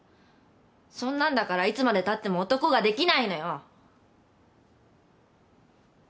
そんなんだからいつまでたっても男ができないのよ。